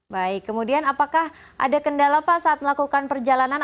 baik kemudian apakah ada kendala pak saat melakukan perjalanan